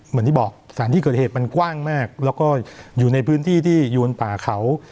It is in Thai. อย่างที่บอกสถานที่เกิดเหตุมันกว้างมากแล้วก็อยู่ในพื้นที่ที่อยู่บนป่าเขา